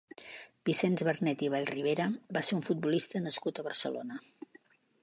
Vicenç Barnet i Vallribera va ser un futbolista nascut a Barcelona.